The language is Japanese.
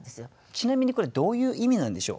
ちなみにこれどういう意味なんでしょう？